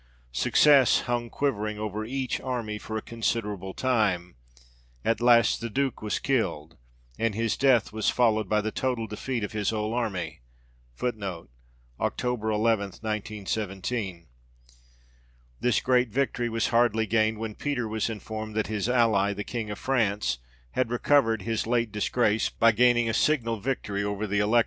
Success hung quivering over each army for a considerable time ; at last the Duke was killed, and his death was followed by the total defeat of his whole army. 2 This great victory was hardly gained when Peter was informed that his ally, the King of France, had recovered his late disgrace by gaining a signal victory over the Electors 1 Sept.